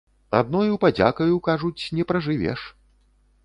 Адною падзякаю, кажуць, не пражывеш.